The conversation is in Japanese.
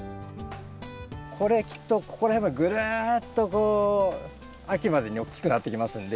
これきっとここら辺までぐるっとこう秋までにおっきくなってきますんで。